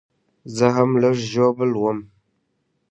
زه هم لږ ژوبل وم